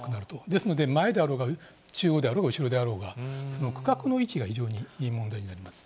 ですので、前であろうが中央であろうが後ろであろうが、その隔壁の位置が非常に問題になります。